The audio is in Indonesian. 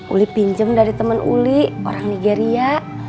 uli pinjem dari teman uli orang nigeria